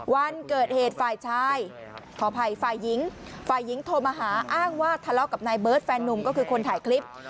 วันเกิดเหตุฝ่ายชายขออภัยฝ่ายหญิงฝ่ายหญิงโทรมาหาอ้างว่าทะเลาะกับนายเบิร์ตแฟนนุ่มก็คือคนถ่ายคลิป